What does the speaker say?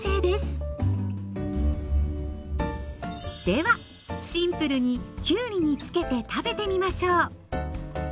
ではシンプルにきゅうりに付けて食べてみましょう。